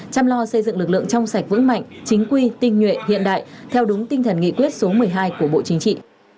chăm lo xây dựng lực lượng trong sạch vững mạnh chính quy tinh nhuệ hiện đại theo đúng tinh thần nghị quyết số một mươi hai của bộ chính trị